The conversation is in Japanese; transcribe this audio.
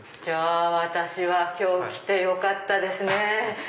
じゃあ私は今日来てよかったですね。